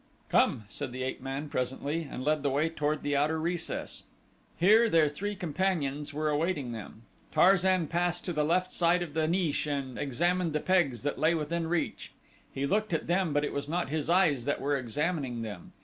"Come!" said the ape man, presently, and led the way toward the outer recess. Here their three companions were awaiting them. Tarzan passed to the left side of the niche and examined the pegs that lay within reach. He looked at them but it was not his eyes that were examining them.